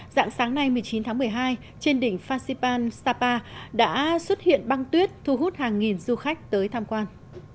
dạng sáng nay một mươi chín tháng một mươi hai trên đỉnh fasipan sapa đã xuất hiện băng tuyết thu hút hàng nghìn du khách tới tham quan